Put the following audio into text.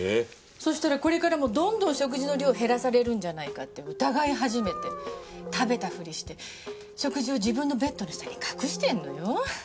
そうしたらこれからもどんどん食事の量を減らされるんじゃないかって疑い始めて食べたふりして食事を自分のベッドの下に隠してるのよ。